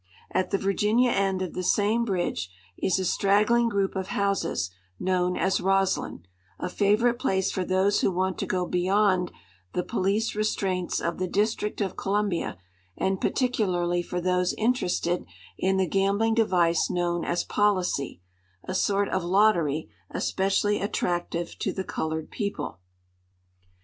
At the Virginia end of the same bridge is a straggling group of houses known as Rosly n, a favorite place for those who want to go beyond the police restraints of the District of Columbia, and particularly for those interested in the gambling device known as policy, a sort of lottery, especially attractive to the colored people.